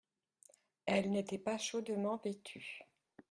Elle n’était pas chaudement vêtue.